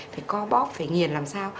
phải co bóp phải nghiền làm sao